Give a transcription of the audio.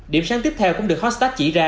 điểm sáng tiếp theo cũng được hostas chỉ ra